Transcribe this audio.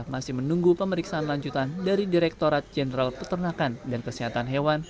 masih menunggu pemeriksaan lanjutan dari direkturat jenderal peternakan dan kesehatan hewan